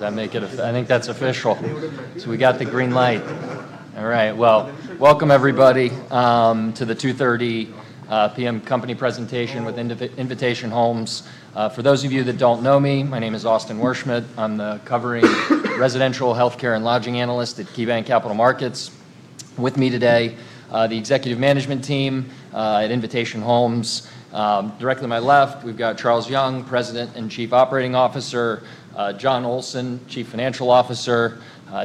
I think that's official. So we got the green light. All right. Welcome, everybody, to the 2:30 P.M. company presentation with Invitation Homes. For those of you that don't know me, my name is Austin Wurschmidt. I'm the covering residential, health care, and lodging analyst at KeyBanc Capital Markets. With me today, the Executive Management team at Invitation Homes. Direct to my left, we've got Charles Young, President and Chief Operating Officer; Jon Olsen, Chief Financial Officer;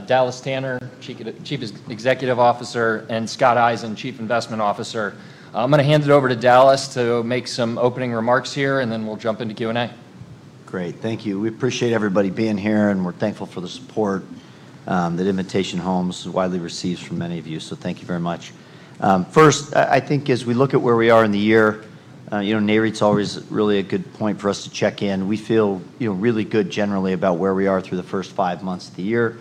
Dallas Tanner, Chief Executive Officer; and Scott Eisen, Chief Investment Officer. I'm going to hand it over to Dallas to make some opening remarks here, and then we'll jump into Q&A. Great. Thank you. We appreciate everybody being here, and we're thankful for the support that Invitation Homes widely receives from many of you. Thank you very much. First, I think as we look at where we are in the year, you know, Nareit is always really a good point for us to check in. We feel really good generally about where we are through the first five months of the year.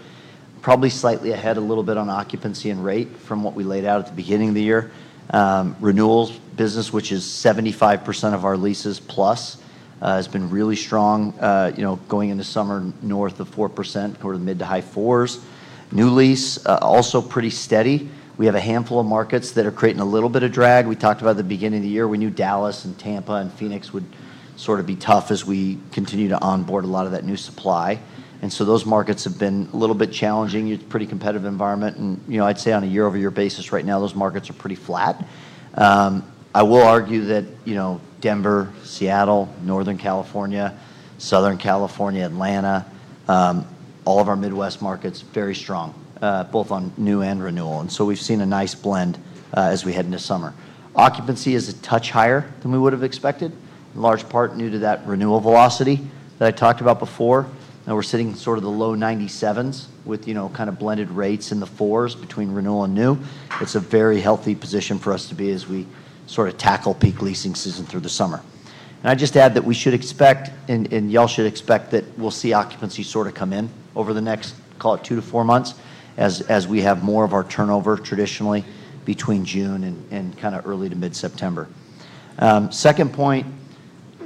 Probably slightly ahead a little bit on occupancy and rate from what we laid out at the beginning of the year. Renewals business, which is 75% of our leases plus, has been really strong going into summer, north of 4%, toward the mid to high 4%. New lease also pretty steady. We have a handful of markets that are creating a little bit of drag. We talked about at the beginning of the year, we knew Dallas and Tampa and Phoenix would sort of be tough as we continue to onboard a lot of that new supply. Those markets have been a little bit challenging. It's a pretty competitive environment. I'd say on a year-over-year basis right now, those markets are pretty flat. I will argue that Denver, Seattle, Northern California, Southern California, Atlanta, all of our Midwest markets, very strong both on new and renewal. We've seen a nice blend as we head into summer. Occupancy is a touch higher than we would have expected, in large part due to that renewal velocity that I talked about before. We're sitting sort of the low 97s with kind of blended rates in the fours between renewal and new. It's a very healthy position for us to be as we sort of tackle peak leasing season through the summer. I just add that we should expect, and y'all should expect, that we'll see occupancy sort of come in over the next, call it, two to four months as we have more of our turnover traditionally between June and kind of early to mid-September. Second point,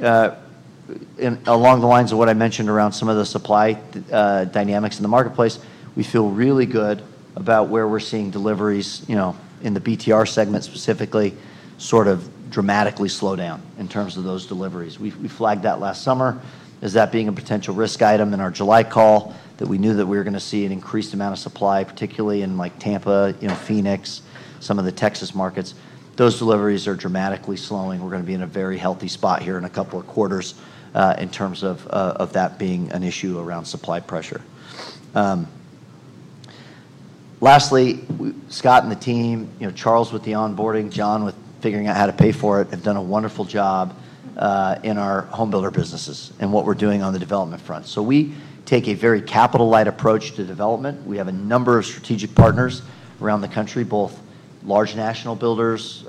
along the lines of what I mentioned around some of the supply dynamics in the marketplace, we feel really good about where we're seeing deliveries in the BTR segment specifically sort of dramatically slow down in terms of those deliveries. We flagged that last summer as that being a potential risk item in our July call that we knew that we were going to see an increased amount of supply, particularly in Tampa, Phoenix, some of the Texas markets. Those deliveries are dramatically slowing. We're going to be in a very healthy spot here in a couple of quarters in terms of that being an issue around supply pressure. Lastly, Scott and the team, Charles with the onboarding, Jon with figuring out how to pay for it, have done a wonderful job in our home builder businesses and what we're doing on the development front. We take a very capital-light approach to development. We have a number of strategic partners around the country, both large national builders,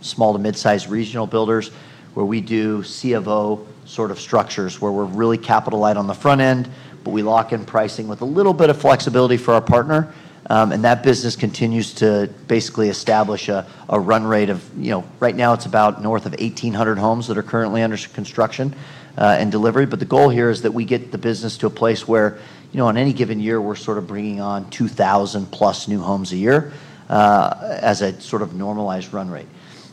small to mid-sized regional builders, where we do CFO sort of structures where we're really capital-light on the front end, but we lock in pricing with a little bit of flexibility for our partner. That business continues to basically establish a run rate of right now it's about north of 1,800 homes that are currently under construction and delivery. The goal here is that we get the business to a place where on any given year we're sort of bringing on 2,000 plus new homes a year as a sort of normalized run rate.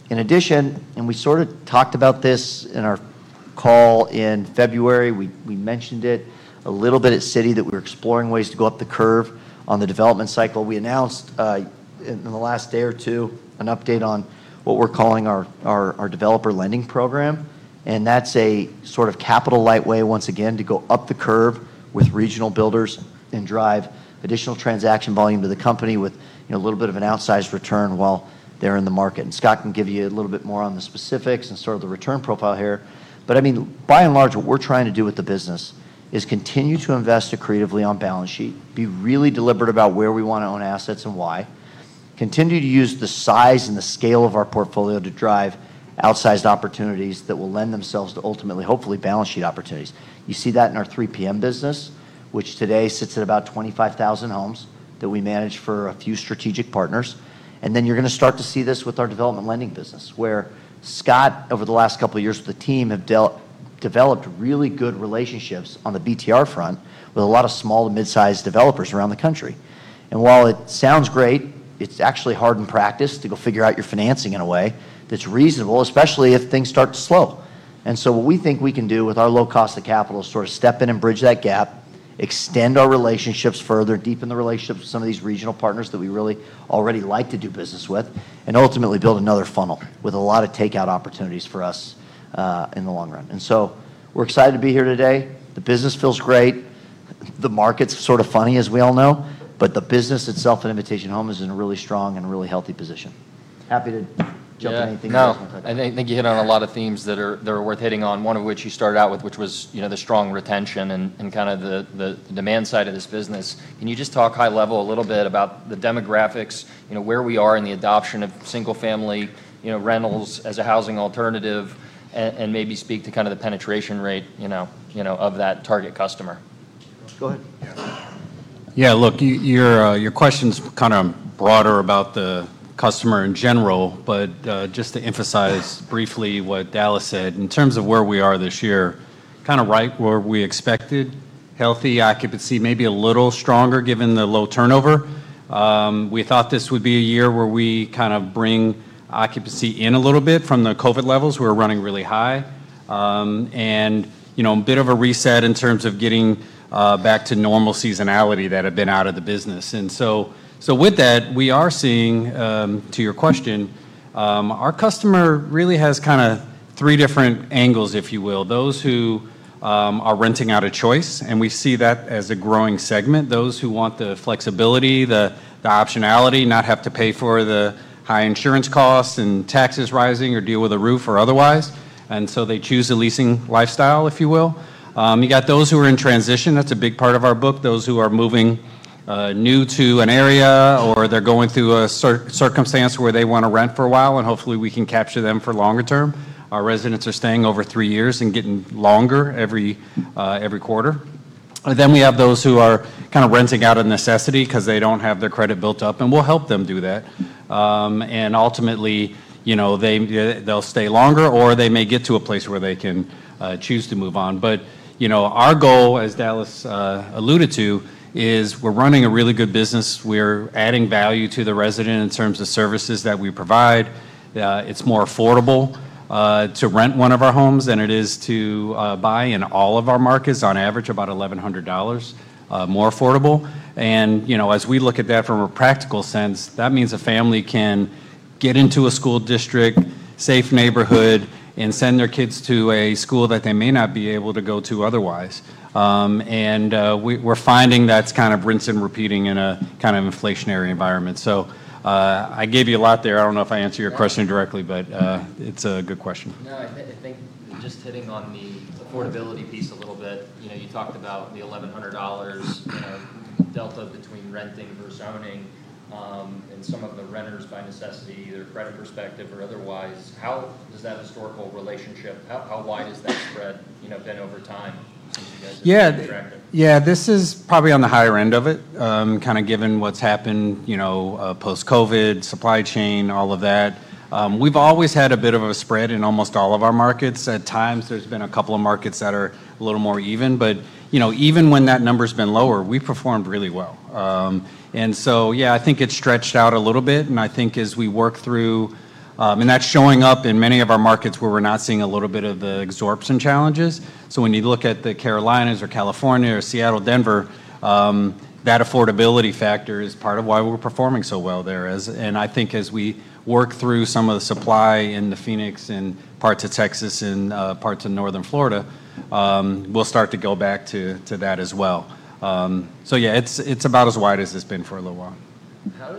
In addition, and we sort of talked about this in our call in February, we mentioned it a little bit at Citi that we're exploring ways to go up the curve on the development cycle. We announced in the last day or two an update on what we're calling our developer lending program. That's a sort of capital-light way once again to go up the curve with regional builders and drive additional transaction volume to the company with a little bit of an outsized return while they're in the market. Scott can give you a little bit more on the specifics and sort of the return profile here. I mean, by and large, what we're trying to do with the business is continue to invest accretively on balance sheet, be really deliberate about where we want to own assets and why, continue to use the size and the scale of our portfolio to drive outsized opportunities that will lend themselves to ultimately, hopefully, balance sheet opportunities. You see that in our three PM business, which today sits at about 25,000 homes that we manage for a few strategic partners. You are going to start to see this with our development lending business, where Scott over the last couple of years with the team have developed really good relationships on the BTR front with a lot of small to mid-sized developers around the country. While it sounds great, it's actually hard in practice to go figure out your financing in a way that's reasonable, especially if things start to slow. What we think we can do with our low cost of capital is sort of step in and bridge that gap, extend our relationships further, deepen the relationships with some of these regional partners that we really already like to do business with, and ultimately build another funnel with a lot of takeout opportunities for us in the long run. We're excited to be here today. The business feels great. The market's sort of funny, as we all know, but the business itself at Invitation Homes is in a really strong and really healthy position. Happy to jump in anything else. Now, I think you hit on a lot of themes that are worth hitting on, one of which you started out with, which was the strong retention and kind of the demand side of this business. Can you just talk high level a little bit about the demographics, where we are in the adoption of single-family rentals as a housing alternative, and maybe speak to kind of the penetration rate of that target customer? Go ahead. Yeah. Look, your question's kind of broader about the customer in general, but just to emphasize briefly what Dallas said, in terms of where we are this year, kind of right where we expected, healthy occupancy, maybe a little stronger given the low turnover. We thought this would be a year where we kind of bring occupancy in a little bit from the COVID levels. We were running really high and a bit of a reset in terms of getting back to normal seasonality that had been out of the business. With that, we are seeing, to your question, our customer really has kind of three different angles, if you will: those who are renting out of choice, and we see that as a growing segment, those who want the flexibility, the optionality, not have to pay for the high insurance costs and taxes rising or deal with a roof or otherwise. They choose the leasing lifestyle, if you will. You got those who are in transition. That's a big part of our book, those who are moving new to an area or they're going through a circumstance where they want to rent for a while and hopefully we can capture them for longer term. Our residents are staying over three years and getting longer every quarter. We have those who are kind of renting out of necessity because they do not have their credit built up, and we will help them do that. Ultimately, they will stay longer or they may get to a place where they can choose to move on. Our goal, as Dallas alluded to, is we are running a really good business. We are adding value to the resident in terms of services that we provide. It is more affordable to rent one of our homes than it is to buy in all of our markets, on average about $1,100 more affordable. As we look at that from a practical sense, that means a family can get into a school district, a safe neighborhood, and send their kids to a school that they may not be able to go to otherwise. We're finding that's kind of rinse and repeating in a kind of inflationary environment. I gave you a lot there. I don't know if I answered your question directly, but it's a good question. No, I think just hitting on the affordability piece a little bit, you talked about the $1,100 delta between renting versus owning and some of the renters by necessity, either credit perspective or otherwise. How does that historical relationship, how wide has that spread been over time since you guys have been contracted? Yeah. Yeah, this is probably on the higher end of it, kind of given what's happened post-COVID, supply chain, all of that. We've always had a bit of a spread in almost all of our markets. At times, there's been a couple of markets that are a little more even. Even when that number's been lower, we've performed really well. Yeah, I think it's stretched out a little bit. I think as we work through, and that's showing up in many of our markets where we're not seeing a little bit of the absorption challenges. When you look at the Carolinas or California or Seattle, Denver, that affordability factor is part of why we're performing so well there. I think as we work through some of the supply in the Phoenix and parts of Texas and parts of northern Florida, we'll start to go back to that as well. Yeah, it's about as wide as it's been for a little while. How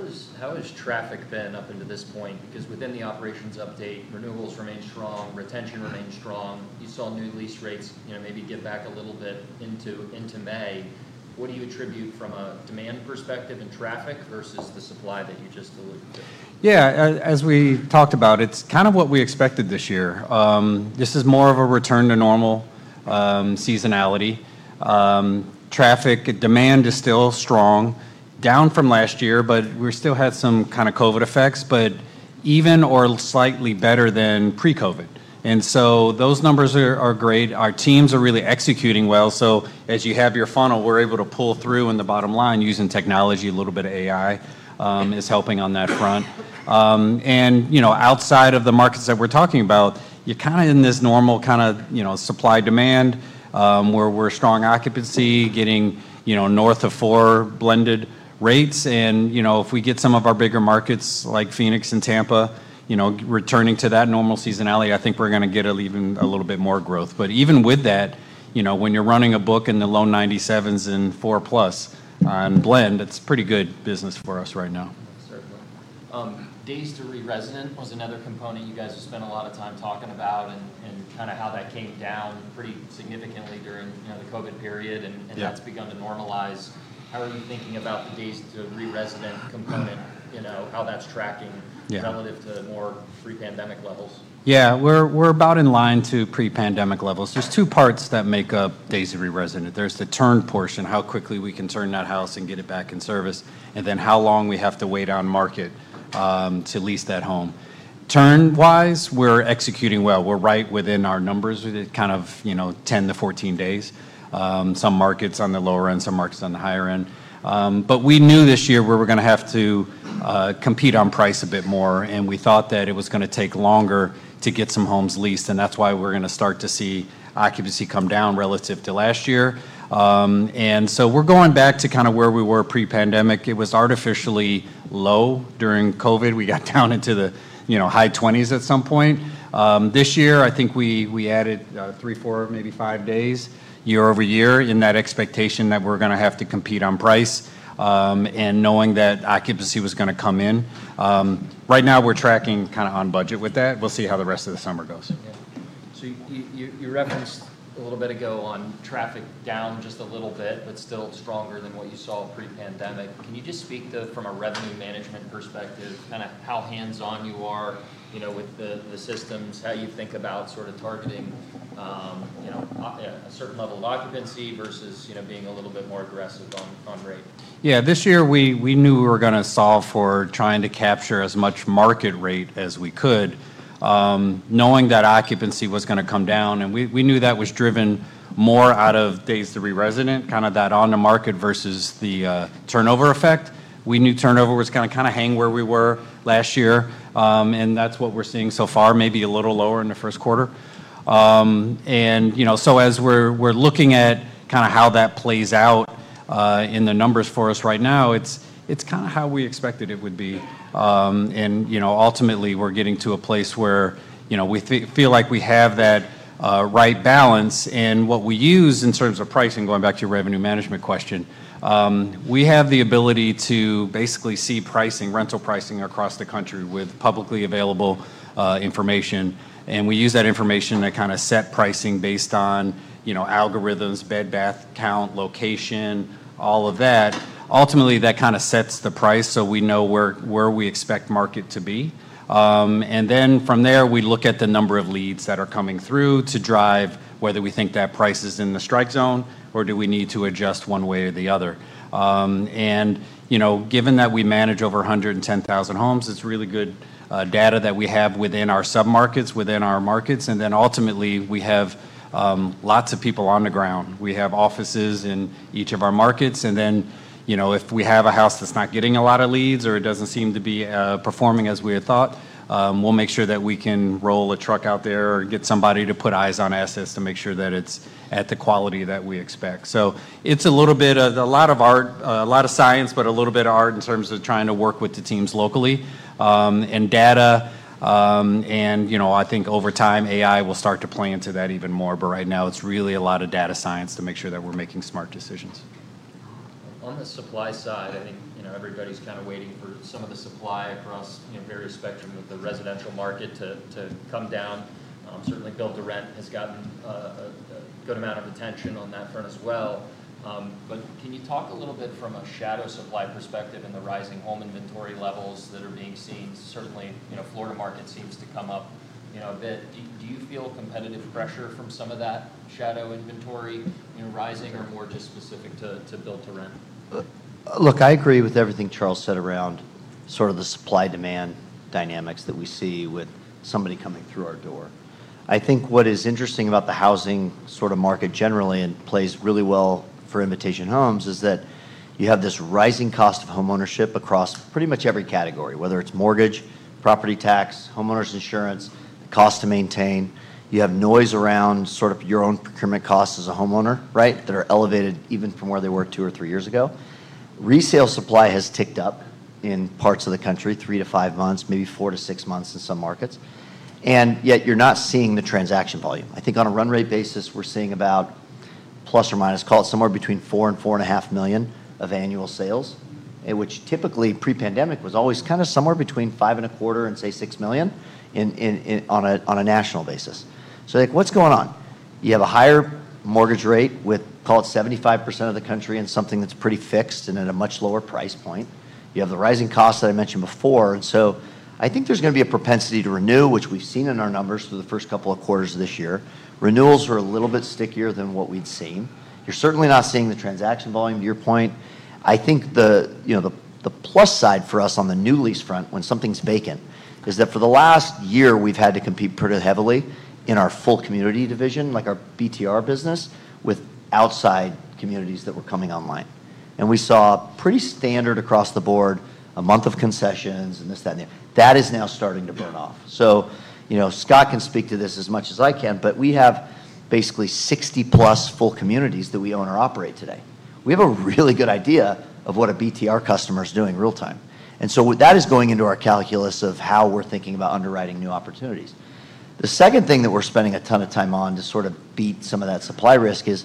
has traffic been up until this point? Because within the operations update, renewals remain strong, retention remains strong. You saw new lease rates maybe get back a little bit into May. What do you attribute from a demand perspective and traffic versus the supply that you just alluded to? Yeah. As we talked about, it is kind of what we expected this year. This is more of a return to normal seasonality. Traffic demand is still strong, down from last year, but we still had some kind of COVID effects, but even or slightly better than pre-COVID. Those numbers are great. Our teams are really executing well. As you have your funnel, we are able to pull through in the bottom line using technology. A little bit of AI is helping on that front. Outside of the markets that we are talking about, you are kind of in this normal kind of supply-demand where we are strong occupancy, getting north of 4% blended rates. If we get some of our bigger markets like Phoenix and Tampa returning to that normal seasonality, I think we are going to get a leaving a little bit more growth. Even with that, when you're running a book in the low 97s and four-plus on blend, it's pretty good business for us right now. Certainly. Days to re-resident was another component you guys have spent a lot of time talking about and kind of how that came down pretty significantly during the COVID period, and that's begun to normalize. How are you thinking about the days to re-resident component, how that's tracking relative to more pre-pandemic levels? Yeah. We're about in line to pre-pandemic levels. There's two parts that make up days to re-resident. There's the turn portion, how quickly we can turn that house and get it back in service, and then how long we have to wait on market to lease that home. Turn-wise, we're executing well. We're right within our numbers with kind of 10-14 days. Some markets on the lower end, some markets on the higher end. We knew this year we were going to have to compete on price a bit more, and we thought that it was going to take longer to get some homes leased. That is why we're going to start to see occupancy come down relative to last year. We're going back to kind of where we were pre-pandemic. It was artificially low during COVID. We got down into the high 20s at some point. This year, I think we added three, four, maybe five days year-over-year in that expectation that we're going to have to compete on price and knowing that occupancy was going to come in. Right now, we're tracking kind of on budget with that. We'll see how the rest of the summer goes. Yeah. You referenced a little bit ago on traffic down just a little bit, but still stronger than what you saw pre-pandemic. Can you just speak to, from a revenue management perspective, kind of how hands-on you are with the systems, how you think about sort of targeting a certain level of occupancy versus being a little bit more aggressive on rate? Yeah. This year, we knew we were gonna to solve for trying to capture as much market rate as we could, knowing that occupancy was going to come down. We knew that was driven more out of days to re-resident, kind of that on-the-market versus the turnover effect. We knew turnover was going to kind of hang where we were last year. That is what we are seeing so far, maybe a little lower in the first quarter. As we are looking at kind of how that plays out in the numbers for us right now, it is kind of how we expected it would be. Ultimately, we are getting to a place where we feel like we have that right balance. What we use in terms of pricing, going back to your revenue management question, we have the ability to basically see pricing, rental pricing across the country with publicly available information. We use that information to kind of set pricing based on algorithms, bed, bath count, location, all of that. Ultimately, that kind of sets the price so we know where we expect market to be. From there, we look at the number of leads that are coming through to drive whether we think that price is in the strike zone or do we need to adjust one way or the other. Given that we manage over 110,000 homes, it is really good data that we have within our sub-markets, within our markets. Ultimately, we have lots of people on the ground. We have offices in each of our markets. If we have a house that's not getting a lot of leads or it doesn't seem to be performing as we had thought, we'll make sure that we can roll a truck out there or get somebody to put eyes on assets to make sure that it's at the quality that we expect. It's a little bit of a lot of art, a lot of science, but a little bit of art in terms of trying to work with the teams locally and data. I think over time, AI will start to play into that even more. Right now, it's really a lot of data science to make sure that we're making smart decisions. On the supply side, I think everybody's kind of waiting for some of the supply across various spectrums of the residential market to come down. Certainly, build-to-rent has gotten a good amount of attention on that front as well. Can you talk a little bit from a shadow supply perspective and the rising home inventory levels that are being seen? Certainly, Florida market seems to come up a bit. Do you feel competitive pressure from some of that shadow inventory rising or more just specific to build-to-rent? Look, I agree with everything Charles said around sort of the supply-demand dynamics that we see with somebody coming through our door. I think what is interesting about the housing sort of market generally and plays really well for Invitation Homes is that you have this rising cost of homeownership across pretty much every category, whether it's mortgage, property tax, homeowners insurance, the cost to maintain. You have noise around sort of your own procurement costs as a homeowner, right, that are elevated even from where they were two or three years ago. Resale supply has ticked up in parts of the country, three to five months, maybe four to six months in some markets. Yet you're not seeing the transaction volume. I think on a run rate basis, we're seeing about plus or minus, call it somewhere between $4 million and $4.5 million of annual sales, which typically pre-pandemic was always kind of somewhere between $5.25 million and, say, $6 million on a national basis. What is going on? You have a higher mortgage rate with, call it 75% of the country and something that's pretty fixed and at a much lower price point. You have the rising costs that I mentioned before. I think there's going to be a propensity to renew, which we've seen in our numbers through the first couple of quarters of this year. Renewals are a little bit stickier than what we'd seen. You're certainly not seeing the transaction volume, to your point. I think the plus side for us on the new lease front, when something's vacant, is that for the last year, we've had to compete pretty heavily in our full community division, like our BTR business, with outside communities that were coming online. We saw pretty standard across the board, a month of concessions and this, that, and the other. That is now starting to burn off. Scott can speak to this as much as I can, but we have basically 60-plus full communities that we own or operate today. We have a really good idea of what a BTR customer is doing real-time. That is going into our calculus of how we're thinking about underwriting new opportunities. The second thing that we're spending a ton of time on to sort of beat some of that supply risk is,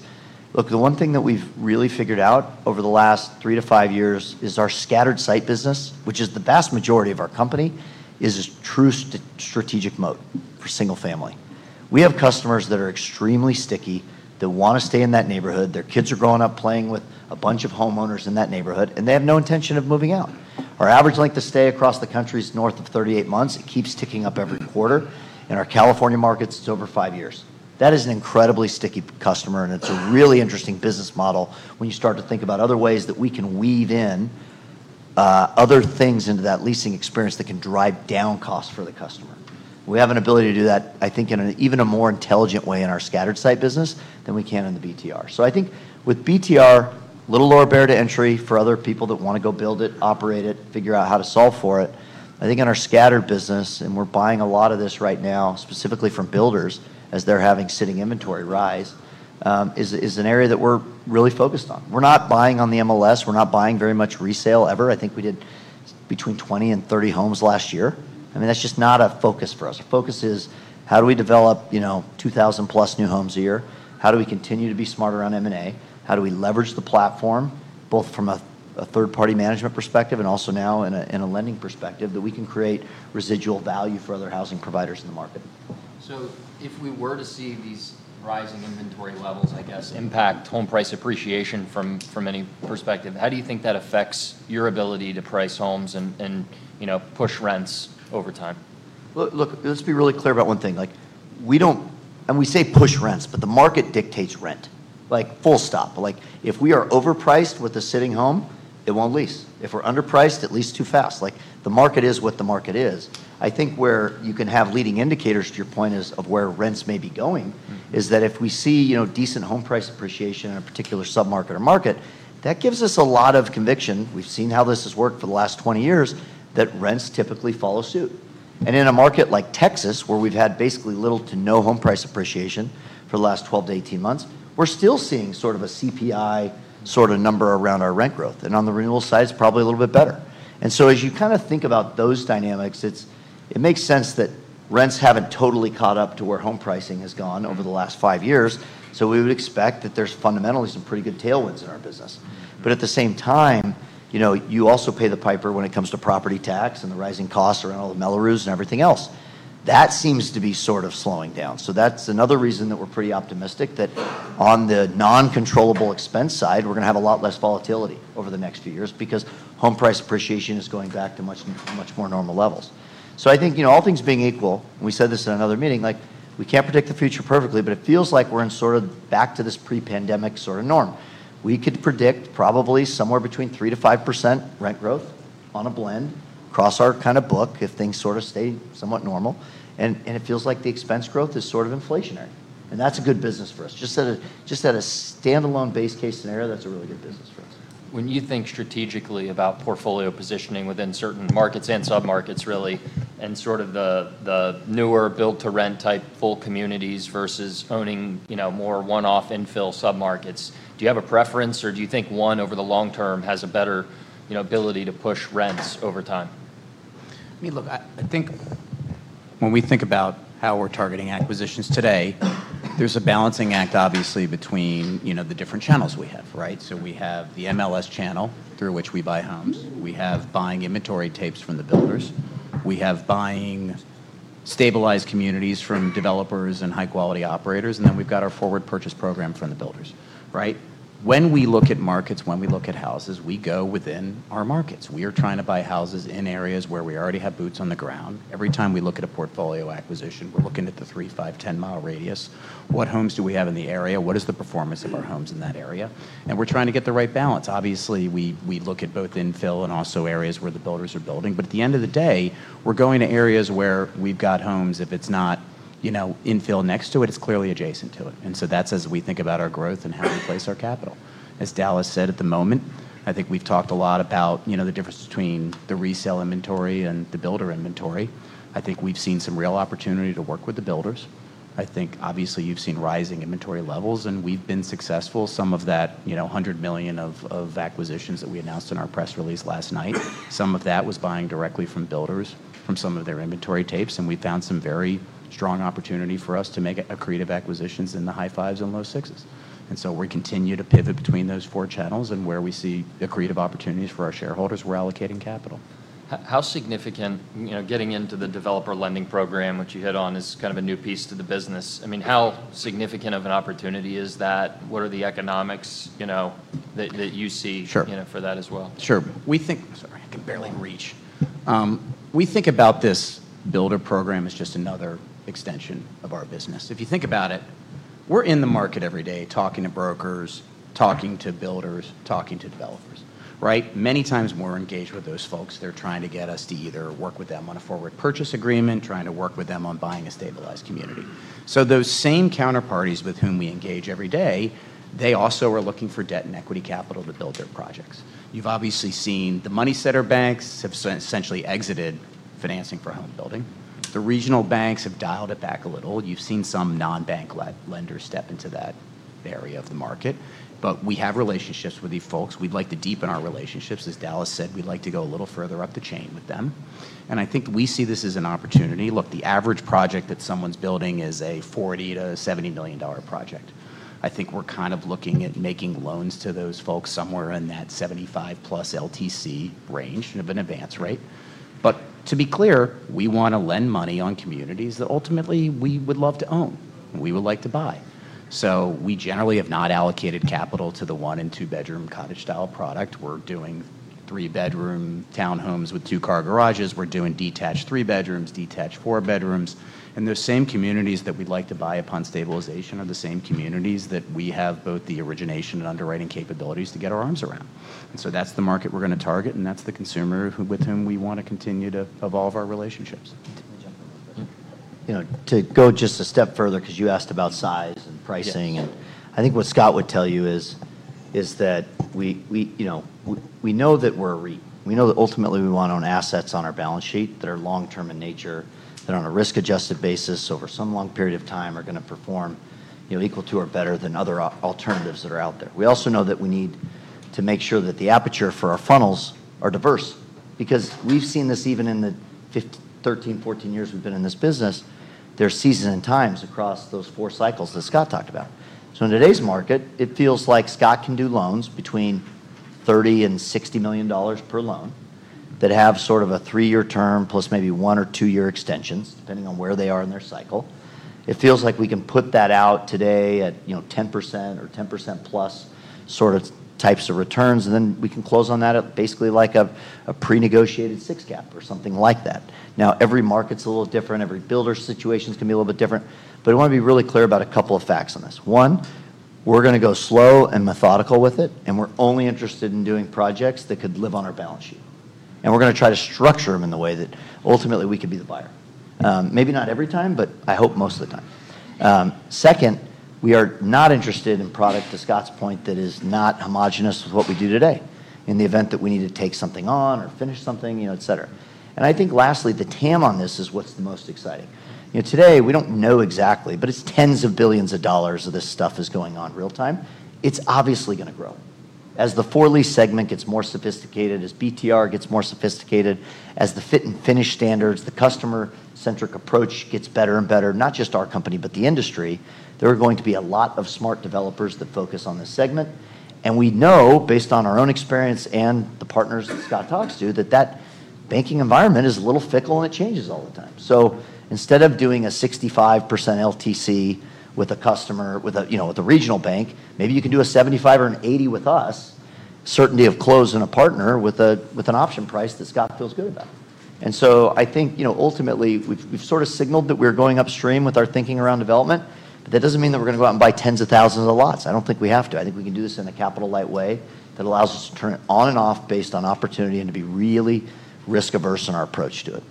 look, the one thing that we've really figured out over the last three to five years is our scattered site business, which is the vast majority of our company, is a true strategic moat for single family. We have customers that are extremely sticky. They want to stay in that neighborhood. Their kids are growing up playing with a bunch of homeowners in that neighborhood, and they have no intention of moving out. Our average length of stay across the country is north of 38 months. It keeps ticking up every quarter. In our California markets, it's over five years. That is an incredibly sticky customer, and it's a really interesting business model when you start to think about other ways that we can weave in other things into that leasing experience that can drive down costs for the customer. We have an ability to do that, I think, in an even more intelligent way in our scattered site business than we can in the BTR. I think with BTR, a little lower barrier to entry for other people that want to go build it, operate it, figure out how to solve for it. I think in our scattered business, and we're buying a lot of this right now, specifically from builders as they're having sitting inventory rise, is an area that we're really focused on. We're not buying on the MLS. We're not buying very much resale ever. I think we did between 20 and 30 homes last year. I mean, that's just not a focus for us. Our focus is how do we develop 2,000-plus new homes a year? How do we continue to be smarter on M&A? How do we leverage the platform, both from a third-party management perspective and also now in a lending perspective, that we can create residual value for other housing providers in the market? If we were to see these rising inventory levels, I guess, impact home price appreciation from any perspective, how do you think that affects your ability to price homes and push rents over time? Look, let's be really clear about one thing. We say push rents, but the market dictates rent. Full stop. If we are overpriced with a sitting home, it won't lease. If we're underpriced, it leases too fast. The market is what the market is. I think where you can have leading indicators, to your point, is of where rents may be going, is that if we see decent home price appreciation in a particular sub-market or market, that gives us a lot of conviction. We've seen how this has worked for the last 20 years that rents typically follow suit. In a market like Texas, where we've had basically little to no home price appreciation for the last 12 to 18 months, we're still seeing sort of a CPI sort of number around our rent growth. On the renewal side, it's probably a little bit better. As you kind of think about those dynamics, it makes sense that rents have not totally caught up to where home pricing has gone over the last five years. We would expect that there are fundamentally some pretty good tailwinds in our business. At the same time, you also pay the piper when it comes to property tax and the rising costs around all the Millrose and everything else. That seems to be sort of slowing down. That is another reason that we are pretty optimistic that on the non-controllable expense side, we are going to have a lot less volatility over the next few years because home price appreciation is going back to much more normal levels. I think all things being equal, we said this in another meeting, we can't predict the future perfectly, but it feels like we're in sort of back to this pre-pandemic sort of norm. We could predict probably somewhere between 3-5% rent growth on a blend across our kind of book if things sort of stay somewhat normal. It feels like the expense growth is sort of inflationary. That's a good business for us. Just at a standalone base case scenario, that's a really good business for us. When you think strategically about portfolio positioning within certain markets and sub-markets, really, and sort of the newer build-to-rent type full communities versus owning more one-off infill sub-markets, do you have a preference or do you think one over the long term has a better ability to push rents over time? I mean, look, I think when we think about how we're targeting acquisitions today, there's a balancing act, obviously, between the different channels we have, right? We have the MLS channel through which we buy homes. We have buying inventory tapes from the builders. We have buying stabilized communities from developers and high-quality operators. We have our forward purchase program from the builders, right? When we look at markets, when we look at houses, we go within our markets. We are trying to buy houses in areas where we already have boots on the ground. Every time we look at a portfolio acquisition, we're looking at the three, five, 10-mile radius. What homes do we have in the area? What is the performance of our homes in that area? We are trying to get the right balance. Obviously, we look at both infill and also areas where the builders are building. At the end of the day, we are going to areas where we have got homes. If it is not infill next to it, it is clearly adjacent to it. That is as we think about our growth and how we place our capital. As Dallas said, at the moment, I think we have talked a lot about the difference between the resale inventory and the builder inventory. I think we have seen some real opportunity to work with the builders. Obviously, you have seen rising inventory levels, and we have been successful. Some of that $100 million of acquisitions that we announced in our press release last night, some of that was buying directly from builders from some of their inventory tapes. We found some very strong opportunity for us to make creative acquisitions in the high fives and low sixes. We continue to pivot between those four channels and where we see the creative opportunities for our shareholders who are allocating capital. How significant getting into the developer lending program, which you hit on, is kind of a new piece to the business? I mean, how significant of an opportunity is that? What are the economics that you see for that as well? Sure. Sorry, I can barely reach. We think about this builder program as just another extension of our business. If you think about it, we're in the market every day talking to brokers, talking to builders, talking to developers, right? Many times more engaged with those folks. They're trying to get us to either work with them on a forward purchase agreement, trying to work with them on buying a stabilized community. Those same counterparties with whom we engage every day, they also are looking for debt and equity capital to build their projects. You've obviously seen the money center banks have essentially exited financing for home building. The regional banks have dialed it back a little. You've seen some non-bank lenders step into that area of the market. We have relationships with these folks. We'd like to deepen our relationships. As Dallas said, we'd like to go a little further up the chain with them. I think we see this as an opportunity. Look, the average project that someone's building is a $40 million-$70 million project. I think we're kind of looking at making loans to those folks somewhere in that 75%+ LTC range of an advance rate. To be clear, we want to lend money on communities that ultimately we would love to own and we would like to buy. We generally have not allocated capital to the one and two-bedroom cottage-style product. We're doing three-bedroom townhomes with two-car garages. We're doing detached three-bedrooms, detached four-bedrooms. Those same communities that we'd like to buy upon stabilization are the same communities that we have both the origination and underwriting capabilities to get our arms around. That's the market we're going to target, and that's the consumer with whom we want to continue to evolve our relationships. To go just a step further, because you asked about size and pricing, I think what Scott would tell you is that we know that we're a REIT. We know that ultimately we want to own assets on our balance sheet that are long-term in nature, that on a risk-adjusted basis over some long period of time are going to perform equal to or better than other alternatives that are out there. We also know that we need to make sure that the aperture for our funnels are diverse because we've seen this even in the 13, 14 years we've been in this business. There are seasons and times across those four cycles that Scott talked about. In today's market, it feels like Scott can do loans between $30 million-$60 million per loan that have sort of a three-year term plus maybe one- or two-year extensions, depending on where they are in their cycle. It feels like we can put that out today at 10% or 10% plus sort of types of returns, and then we can close on that basically like a pre-negotiated sixth gap or something like that. Now, every market's a little different. Every builder's situation can be a little bit different. I want to be really clear about a couple of facts on this. One, we're going to go slow and methodical with it, and we're only interested in doing projects that could live on our balance sheet. We're going to try to structure them in the way that ultimately we could be the buyer. Maybe not every time, but I hope most of the time. Second, we are not interested in product, to Scott's point, that is not homogenous with what we do today in the event that we need to take something on or finish something, etc. I think lastly, the TAM on this is what's the most exciting. Today, we do not know exactly, but it's tens of billions of dollars of this stuff is going on real-time. It's obviously going to grow. As the for-lease segment gets more sophisticated, as BTR gets more sophisticated, as the fit and finish standards, the customer-centric approach gets better and better, not just our company, but the industry, there are going to be a lot of smart developers that focus on this segment. We know, based on our own experience and the partners that Scott talks to, that that banking environment is a little fickle and it changes all the time. Instead of doing a 65% LTC with a customer with a regional bank, maybe you can do a 75 or an 80 with us, certainty of close and a partner with an option price that Scott feels good about. I think ultimately we have sort of signaled that we are going upstream with our thinking around development, but that does not mean that we are going to go out and buy tens of thousands of lots. I do not think we have to. I think we can do this in a capital-light way that allows us to turn it on and off based on opportunity and to be really risk-averse in our approach to it.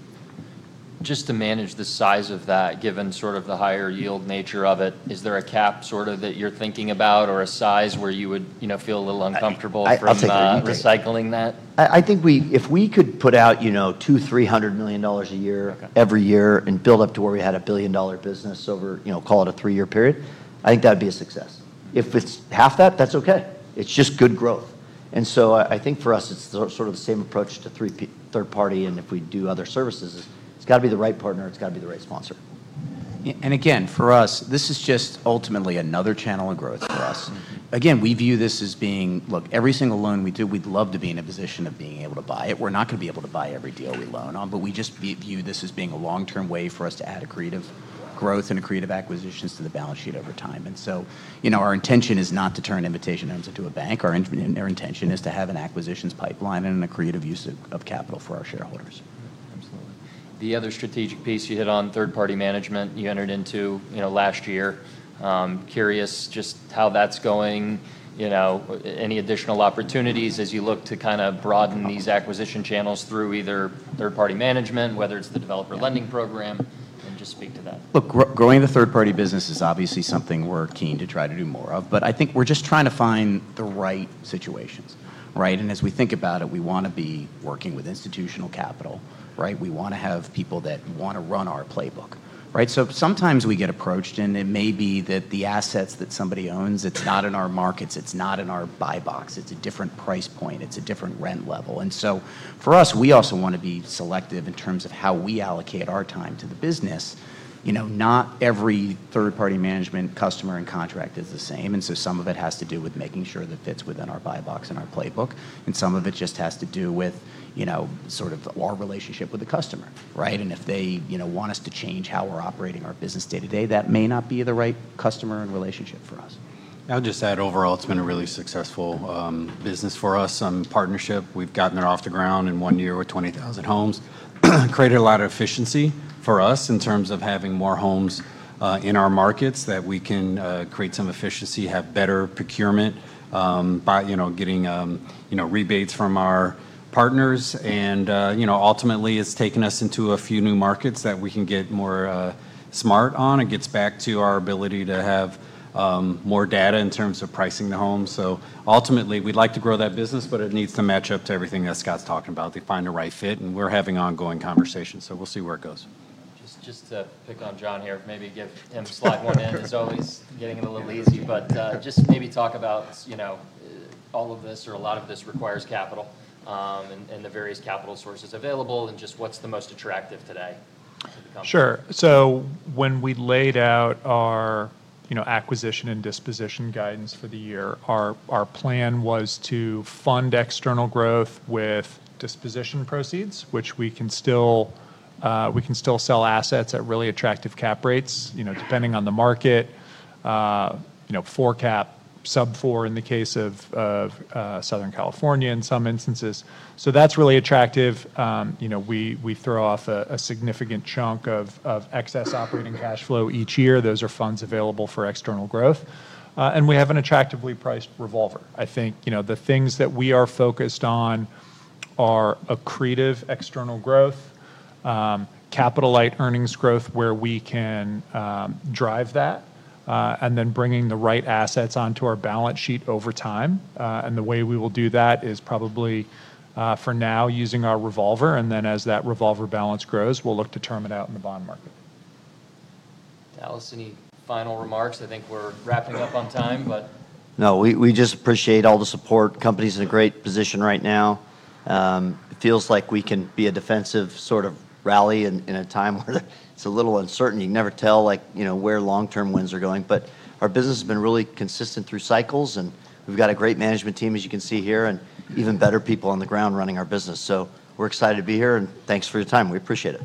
Just to manage the size of that, given sort of the higher yield nature of it, is there a cap sort of that you're thinking about or a size where you would feel a little uncomfortable for recycling that? I think if we could put out $200 million-$300 million a year, every year, and build up to where we had a $1 billion business over, call it a three-year period, I think that would be a success. If it's half that, that's okay. It's just good growth. I think for us, it's sort of the same approach to third-party. If we do other services, it's got to be the right partner. It's got to be the right sponsor. For us, this is just ultimately another channel of growth for us. We view this as being, look, every single loan we do, we'd love to be in a position of being able to buy it. We're not going to be able to buy every deal we loan on, but we just view this as being a long-term way for us to add accretive growth and accretive acquisitions to the balance sheet over time. Our intention is not to turn Invitation Homes into a bank. Our intention is to have an acquisitions pipeline and accretive use of capital for our shareholders. Absolutely. The other strategic piece you hit on, third-party management, you entered into last year. Curious just how that's going. Any additional opportunities as you look to kind of broaden these acquisition channels through either third-party management, whether it's the developer lending program, and just speak to that. Look, growing the third-party business is obviously something we're keen to try to do more of, but I think we're just trying to find the right situations, right? As we think about it, we want to be working with institutional capital, right? We want to have people that want to run our playbook, right? Sometimes we get approached, and it may be that the assets that somebody owns, it's not in our markets, it's not in our buy box. It's a different price point. It's a different rent level. For us, we also want to be selective in terms of how we allocate our time to the business. Not every third-party management customer and contract is the same. Some of it has to do with making sure that it fits within our buy box and our playbook. Some of it just has to do with sort of our relationship with the customer, right? If they want us to change how we're operating our business day to day, that may not be the right customer and relationship for us. I'll just add overall, it's been a really successful business for us. Some partnership. We've gotten there off the ground in one year with 20,000 homes. Created a lot of efficiency for us in terms of having more homes in our markets that we can create some efficiency, have better procurement, getting rebates from our partners. Ultimately, it's taken us into a few new markets that we can get more smart on. It gets back to our ability to have more data in terms of pricing the home. Ultimately, we'd like to grow that business, but it needs to match up to everything that Scott's talking about, to find the right fit. We're having ongoing conversations, so we'll see where it goes. Just to pick on Jon here, maybe give him a slight one in. He's always getting it a little easy, but just maybe talk about all of this or a lot of this requires capital and the various capital sources available and just what's the most attractive today to the company. Sure. When we laid out our acquisition and disposition guidance for the year, our plan was to fund external growth with disposition proceeds, which we can still sell assets at really attractive cap rates, depending on the market, four cap, sub four in the case of Southern California in some instances. That is really attractive. We throw off a significant chunk of excess operating cash flow each year. Those are funds available for external growth. We have an attractively priced revolver. I think the things that we are focused on are accretive external growth, capital-light earnings growth where we can drive that, and then bringing the right assets onto our balance sheet over time. The way we will do that is probably for now using our revolver. As that revolver balance grows, we will look to term it out in the bond market. Dallas, any final remarks? I think we're wrapping up on time, but. No, we just appreciate all the support. The company's in a great position right now. It feels like we can be a defensive sort of rally in a time where it's a little uncertain. You can never tell where long-term wins are going. Our business has been really consistent through cycles, and we've got a great management team, as you can see here, and even better people on the ground running our business. We are excited to be here, and thanks for your time. We appreciate it.